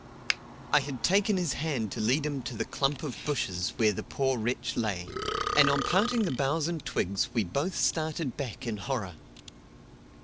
I had taken his hand to lead him to the clump of bushes where the poor wretch lay, and on parting the boughs and twigs we both started back in horror.